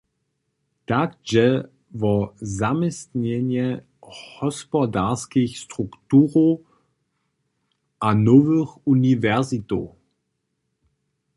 Tak dźe wo zaměstnjenje hospodarskich strukturow a nowych uniwersitow.